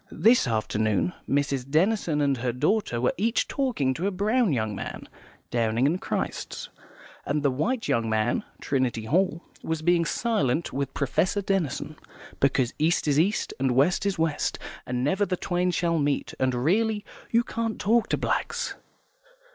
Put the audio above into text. This afternoon Mrs. Denison and her daughter were each talking to a brown young man (Downing and Christ's), and the white young man (Trinity Hall) was being silent with Professor Denison, because East is East and West is West, and never the twain shall meet, and really, you can't talk to blacks.